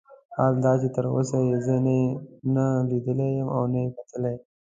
حال دا چې تر اوسه یې زه نه لیدلی یم او نه یې کتلی.